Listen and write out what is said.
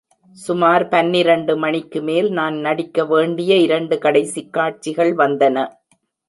சுமார் பன்னிரண்டு மணிக்கு மேல் நான் நடிக்க வேண்டிய இரண்டு கடைசிக் காட்சிகள் வந்தன.